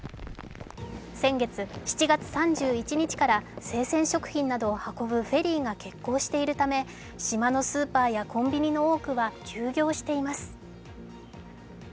先月７月３１日から生鮮食品などを運ぶフェリーが欠航しているため島のスーパーやコンビニの多くは休業しています。